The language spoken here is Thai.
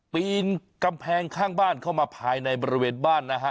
ปีนกำแพงข้างบ้านเข้ามาภายในบริเวณบ้านนะฮะ